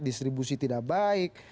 distribusi tidak baik